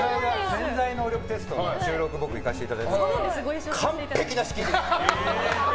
「潜在能力テスト」の収録僕、行かせていただいたんですが完璧な仕切り。